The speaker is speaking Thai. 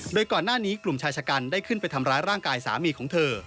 โดยก่อนหน้านี้กลุ่มชายชะกันได้ขึ้นไปทำร้ายร่างกายสามีของเธอ